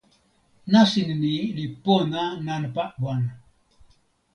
nasin ni li pona nanpa wan.